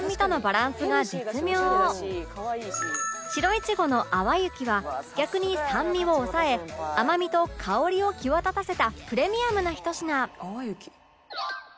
白いちごの淡雪は逆に酸味を抑え甘みと香りを際立たせたプレミアムなひと品